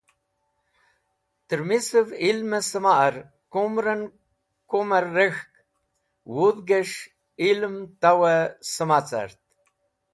Tẽrmisẽv ilmẽ sẽmar kumrẽn kumẽr rek̃hk wudhgẽs̃h ilẽm tawẽ sẽma cart